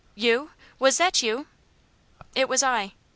"You was that you?" "It was I."